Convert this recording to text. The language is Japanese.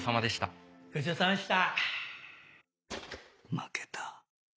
負けた